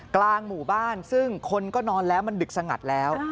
กลางหมู่บ้านซึ่งคนก็นอนแล้วมันดึกสงัดแล้ว